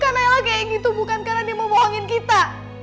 karena nela kayak gitu bukan karena dia membohongi kita